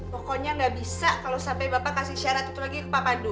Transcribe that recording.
pokoknya nggak bisa kalau sampai bapak kasih syarat itu lagi ke pak pandu